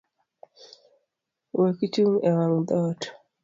Wekchung’ ewang’ dhoot.